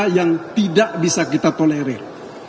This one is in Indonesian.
yang tidak bisa kita tolerir